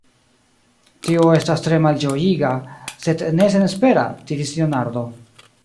Tio estas tre malĝojiga, sed ne senespera, diris Leonardo.